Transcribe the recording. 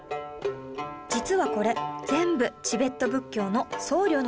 実はこれ全部チベット仏教の僧侶の家